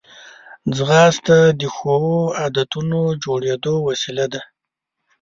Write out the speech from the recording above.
ځغاسته د ښو عادتونو د جوړېدو وسیله ده